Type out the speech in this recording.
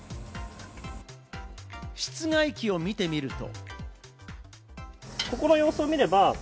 室外機を見てみると。